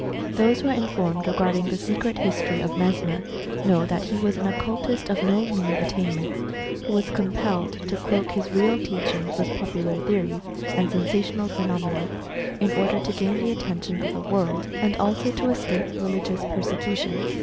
Those who are informed regarding the secret history of Mesmer know that he was an occultist of no mean attainments, who was compelled to cloak his real teachings with popular theories and sensational phenomena, in order to gain the attention of the world, and also to escape religious persecutions.